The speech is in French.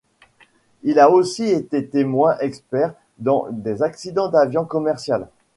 Il a aussi été témoin expert dans des accidents d'avion commercial.